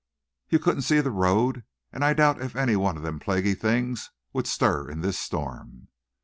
You couldn't see the road, and I doubt if one of them plaguey things would stir in this storm."